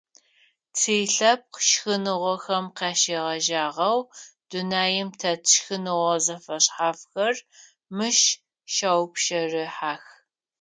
Тилъэпкъ шхыныгъохэм къащегъэжьагъэу, дунаим тет шхыныгъо зэфэшъхьафхэр мыщ щаупщэрыхьэх.